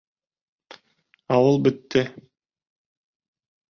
Ауыл бөттө.